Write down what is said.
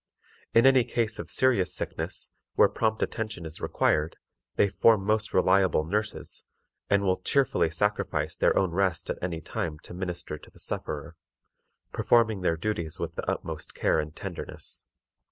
In any case of serious sickness, where prompt attention is required, they form most reliable nurses, and will cheerfully sacrifice their own rest at any time to minister to the sufferer, performing their duties with the utmost care and tenderness.